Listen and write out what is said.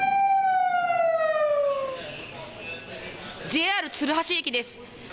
ＪＲ鶴橋駅です。